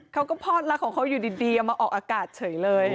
เขาก็พอดรักของเขาอยู่ดีเอามาออกอากาศเฉยเลย